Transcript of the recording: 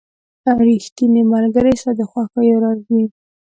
• ریښتینی ملګری ستا د خوښیو راز وي.